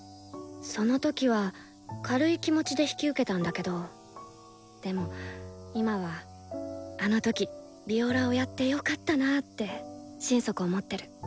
その時は軽い気持ちで引き受けたんだけどでも今はあの時ヴィオラをやってよかったなって心底思ってる。